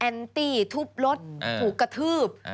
ตี้ทุบรถถูกกระทืบ